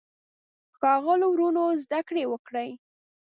ښاغلو وروڼو زده کړه وکړئ.